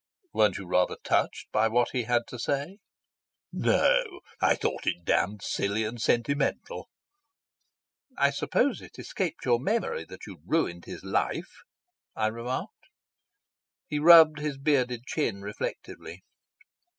"Weren't you rather touched by what he had to say?" "No; I thought it damned silly and sentimental." "I suppose it escaped your memory that you'd ruined his life?" I remarked. He rubbed his bearded chin reflectively.